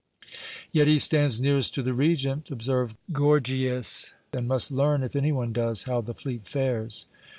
"Yet he stands nearest to the Regent," observed Gorgias, "and must learn, if any one does, how the fleet fares."